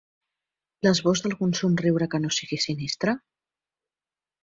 L’esbós d’algun somriure que no sigui sinistre?